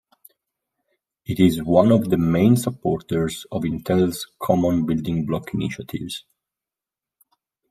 It is one of the main supporters of Intel's Common Building Block initiatives.